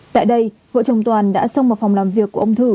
tại đây vợ chồng toàn đã xông vào phòng làm việc của ông thử